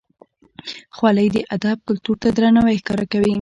خولۍ د ادب کلتور ته درناوی ښکاره کوي.